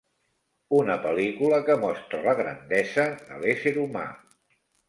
Una pel·lícula que mostra la grandesa de l'ésser humà.